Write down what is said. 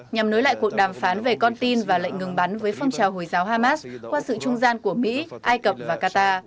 nhằm nối lại cuộc đàm phán về con tin và lệnh ngừng bắn với phong trào hồi giáo hamas qua sự trung gian của mỹ ai cập và qatar